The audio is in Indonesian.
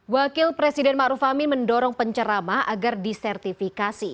wakil presiden ma'ruf amin mendorong pencerama agar disertifikasi